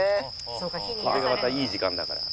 それがまたいい時間だから。